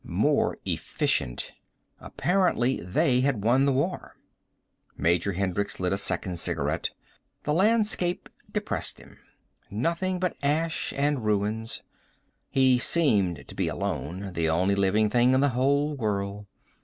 More efficient. Apparently they had won the war. Major Hendricks lit a second cigarette. The landscape depressed him. Nothing but ash and ruins. He seemed to be alone, the only living thing in the whole world.